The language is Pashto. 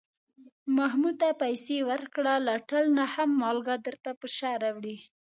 محمود ته پسې ورکړه، له ټل نه هم مالگه درته په شا راوړي.